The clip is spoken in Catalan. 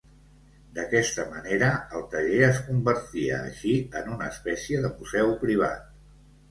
D'aquesta manera, el taller es convertia així en una espècia de museu privat.